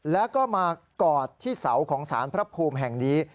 แล้วก็มากอดที่เสาของสารพระภูมิแห่งนี้